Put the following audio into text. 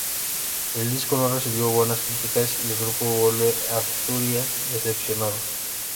El disco no recibió buenas críticas y el grupo vuelve a Asturias decepcionado.